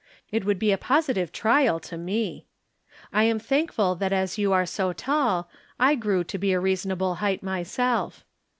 It would be a positive trial to me. I am thankful that as you are so tall I grew to a reasonable height myself.